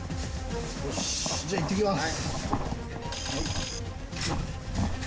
よし、じゃあ行ってきます。